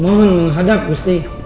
mohon menghadap gusti